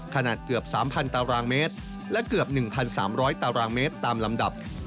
ขนาดเกือบ๓๐๐ตารางเมตรและเกือบ๑๓๐๐ตารางเมตรตามลำดับ